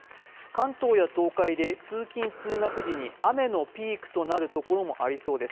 関東や東海で通勤・通学時に雨のピークとなるところもありそうです。